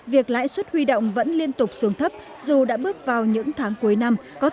việc lãi suất huy động vẫn liên tục xuống thấp dù đã bước vào những tháng cuối năm